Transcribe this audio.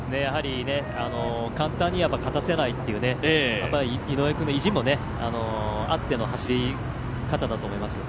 簡単には勝たせないという井上君の意地もあっての走り方だと思います。